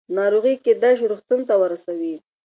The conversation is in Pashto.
ناروغي کېدای شي روغتون ته ورسوي.